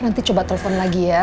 nanti coba telepon lagi ya